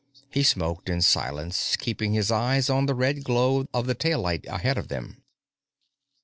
He smoked in silence, keeping his eyes on the red glow of the taillight ahead of them.